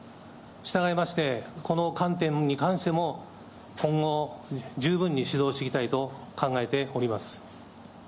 したがいまして、この観点に関しても今後、十分に指導していきたいと考えております。